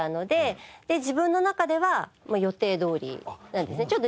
で自分の中ではもう予定どおりなんですね